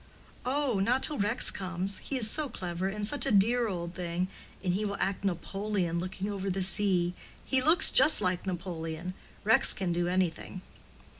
"Oh, not till Rex comes. He is so clever, and such a dear old thing, and he will act Napoleon looking over the sea. He looks just like Napoleon. Rex can do anything."